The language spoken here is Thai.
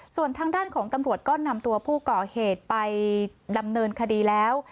ส่วนทางด้านของตำรวจก็นำตัวผู้ก่อเหตุไปดำเนินคดีแล้ว